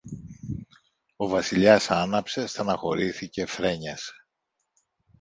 Ο Βασιλιάς άναψε, στενοχωρέθηκε, φρένιασε.